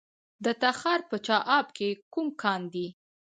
د تخار په چاه اب کې کوم کان دی؟